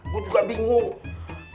gua juga bingung